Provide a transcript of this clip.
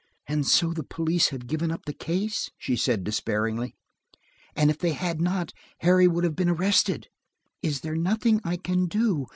"And so the police have given up the case!" she said despairingly. "And if they had not, Harry would have been arrested. Is there nothing I can do?